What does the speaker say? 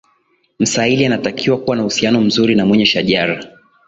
msaili anatakiwa kuwa na uhusiano mzuri na mwenye shajara